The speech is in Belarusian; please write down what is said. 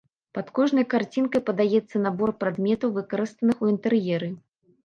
Пад кожнай карцінкай падаецца набор прадметаў, выкарыстаных у інтэр'еры.